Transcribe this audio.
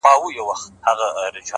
مُلاجان ویل ه” د پنجاب چټي په نام دي”